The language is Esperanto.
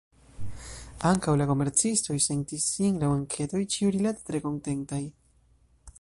Ankaŭ la komercistoj sentis sin, laŭ enketoj, ĉiurilate tre kontentaj.